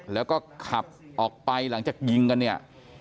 แล้วก็ขับออกไปหลังจากยิงกันเนี่ย